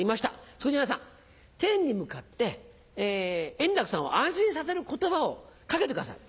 そこで皆さん天に向かって円楽さんを安心させる言葉を掛けてください。